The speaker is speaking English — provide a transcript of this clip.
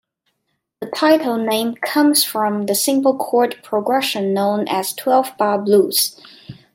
The title name comes from the simple chord progression known as twelve-bar blues.